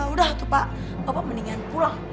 udah tuh pak bapak mendingan pulang